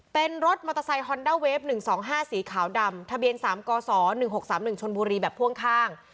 เป็นรถมอเตอร์ไซค์ฮอนด้าเวฟหนึ่งสองห้าสีขาวดำทะเบียนสามกอศรหนึ่งหกสามหนึ่งชนบุรีแบบพ่วงข้าง